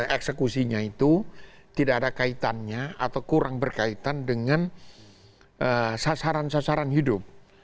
eksekusinya itu tidak ada kaitannya atau kurang berkaitan dengan sasaran sasaran hidup